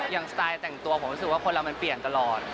สไตล์แต่งตัวผมรู้สึกว่าคนเรามันเปลี่ยนตลอด